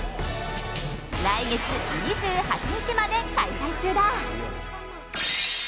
来月２８日まで開催中だ。